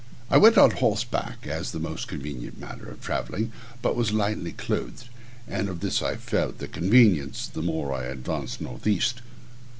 I went on horseback, as the most convenient manner of travelling; I was but lightly clothed, and of this I felt the inconvenience the more I advanced north east.